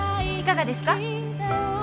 いかがですか？